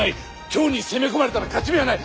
京に攻め込まれたら勝ち目はない。